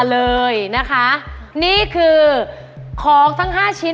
แล้วกลับไปอยู่ราตบุรี